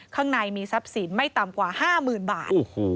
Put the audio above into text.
ข้างในมีทรัพย์สินไม่ต่ำกว่า๕๐๐๐บาท